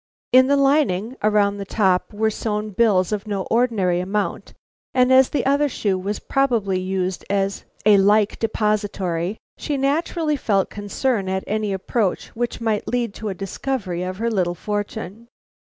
In the lining around the top were sewn bills of no ordinary amount, and as the other shoe was probably used as a like depository, she naturally felt concern at any approach which might lead to a discovery of her little fortune.